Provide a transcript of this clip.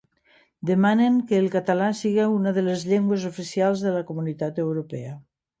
Demanem que el català sigui una de les llengües oficials de la Comunitat Europea